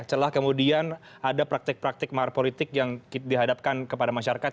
celah kemudian ada praktik praktik mahar politik yang dihadapkan kepada masyarakat